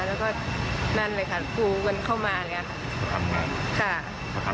แล้วก็นั่นเลยค่ะกูกันเข้ามาเลยค่ะ